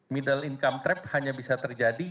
middle income trap hanya bisa terjadi